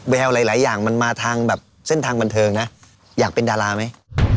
แววหลายอย่างมันมาทางแบบเส้นทางบันเทิงนะอยากเป็นดาราไหม